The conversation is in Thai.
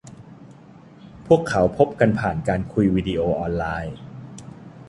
พวกเขาพบกันผ่านการคุยวีดีโอออนไลน์